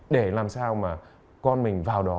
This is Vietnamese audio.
để làm sao con mình vào đó